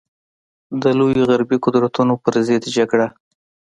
د لویو غربي قدرتونو پر ضد جګړه.